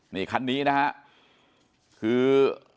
นี่คันนี้นะฮะคือ